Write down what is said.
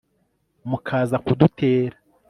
mukaza kudutera